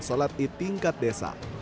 sholat idul tingkat desa